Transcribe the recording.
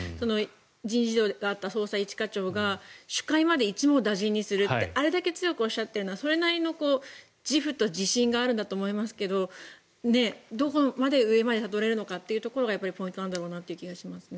人事異動があった捜査一課長が首魁まで一網打尽にするってあれだけ強くおっしゃっているのは自負と自信があるんだと思いますがどこまで上までたどれるかっていうのがポイントなんだと思いますね。